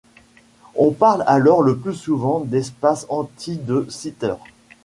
On parle alors le plus souvent d'espace anti de Sitter.